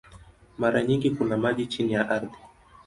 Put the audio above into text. Mara nyingi kuna maji chini ya ardhi.